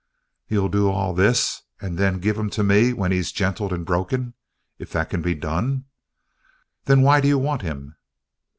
"You'll do all this and then give him to me when he's gentled and broken if that can be done? Then why do you want him?"